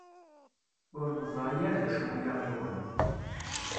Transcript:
Ur neẓri ara d acu i aɣ-yuɣen.